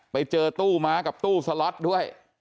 ไปเจอตู้ม้ากับตู้สล็อตด้วย